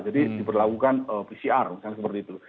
jadi diberlakukan pcr misalnya seperti itu